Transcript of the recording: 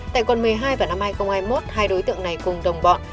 tại quận một mươi hai vào năm hai nghìn hai mươi một hai đối tượng này cùng đồng bọn